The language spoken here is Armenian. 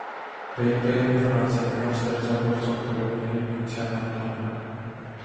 Բելգիայում ֆրանսերենով ստեղծագործող գրողների միության անդամ է։